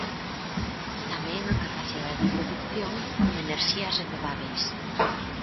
Tamén a capacidade de produción con enerxías renovábeis.